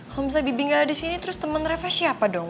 kalo misalnya bibik gak ada disini terus temen reves siapa dong